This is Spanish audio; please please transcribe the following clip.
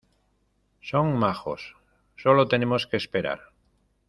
son majos, solo tenemos que esperar.